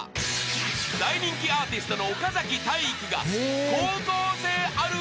［大人気アーティストの岡崎体育が高校生ある